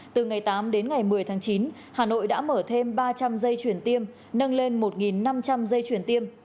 từ ngày tám đến ngày một mươi tháng chín hà nội đã mở thêm ba trăm linh dây chuyển tiêm nâng lên một năm trăm linh dây chuyển tiêm